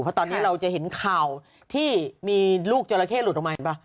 เพราะตอนนี้เราจะเห็นข่าวที่มีลูกจราเข้หลุดออกมาเห็นป่ะ